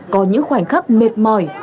có những khoảnh khắc mệt mỏi